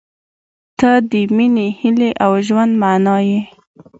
• ته د مینې، هیلې، او ژوند معنی یې.